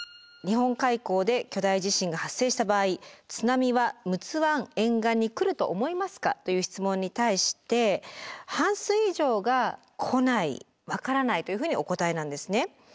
「日本海溝で巨大地震が発生した場合津波は陸奥湾沿岸にくると思いますか？」という質問に対して半数以上が「来ない」「わからない」というふうにお答えなんですね。